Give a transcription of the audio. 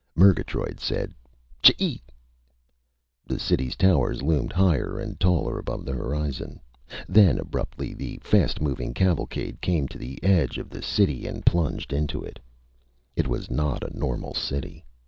Murgatroyd said: "Chee!" The city's towers loomed higher and taller above the horizon. Then, abruptly, the fast moving cavalcade came to the edge of the city and plunged into it. It was not a normal city.